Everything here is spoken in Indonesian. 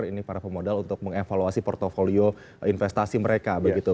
ini para pemodal untuk mengevaluasi portfolio investasi mereka begitu